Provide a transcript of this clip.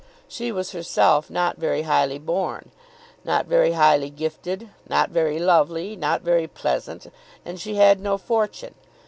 She was herself not very highly born, not very highly gifted, not very lovely, not very pleasant, and she had no fortune.